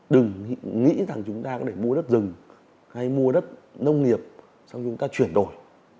đừng nghĩ rằng chúng ta có thể mua đất rừng hay mua đất nông nghiệp xong chúng ta chuyển đổi